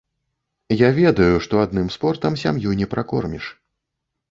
Я ведаю, што адным спортам сям'ю не пракорміш.